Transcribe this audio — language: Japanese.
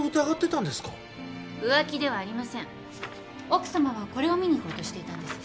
奥さまはこれを見に行こうとしていたんです。